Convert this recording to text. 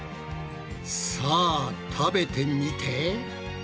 さあ食べてみて！